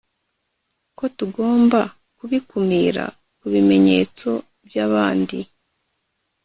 Ko tugomba kubikumira kubimenyetso byabandi